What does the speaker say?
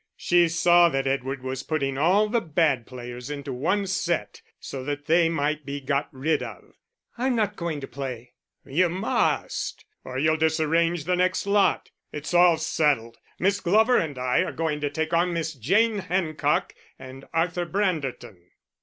She saw that Edward was putting all the bad players into one set, so that they might be got rid of. "I'm not going to play." "You must, or you'll disarrange the next lot. It's all settled; Miss Glover and I are going to take on Miss Jane Hancock and Arthur Branderton."